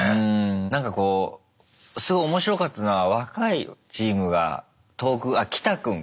なんかこうすごい面白かったのは若いチームが遠くあっキタ君か。